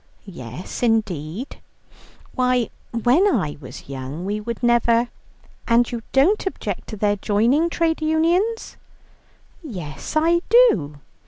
"Yes, indeed. Why, when I was young we should never " "And you don't object to their joining Trade Unions?" "Yes, I do."